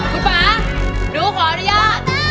คุณป่าหนูขออนุญาต